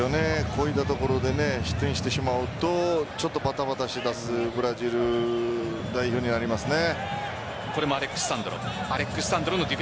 こういうところで失点してしまうとちょっとバタバタし出すブラジル代表になりますね。